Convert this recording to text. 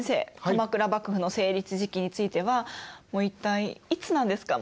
鎌倉幕府の成立時期についてはもう一体いつなんですか？